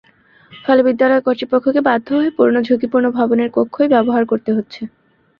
ফলে বিদ্যালয় কর্তৃপক্ষকে বাধ্য হয়ে পুরোনো ঝুঁকিপূর্ণ ভবনের কক্ষই ব্যবহার করতে হচ্ছে।